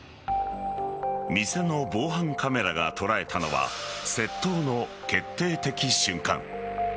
店の防犯カメラが捉えたのは窃盗の決定的瞬間。